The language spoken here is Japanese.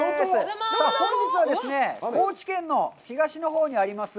さあ本日はですね、高知県の東のほうにあります